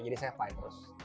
jadi saya fight terus